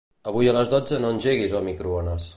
Avui a les dotze no engeguis el microones.